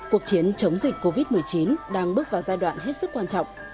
cuộc chiến chống dịch covid một mươi chín đang bước vào giai đoạn hết sức quan trọng